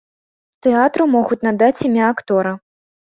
Тэатру могуць надаць імя актора.